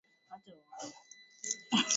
Chuma majani ya matembele